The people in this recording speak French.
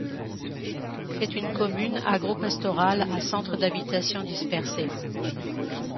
C'est une commune agropastorale à centres d'habitations dispersés.